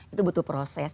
itu butuh proses